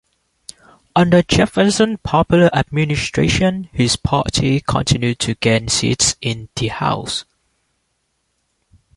Under Jefferson's popular administration, his party continued to gain seats in the House.